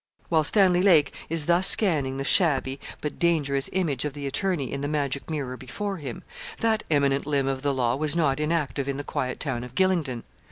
While Stanley Lake is thus scanning the shabby, but dangerous image of the attorney in the magic mirror before him, that eminent limb of the law was not inactive in the quiet town of Gylingden.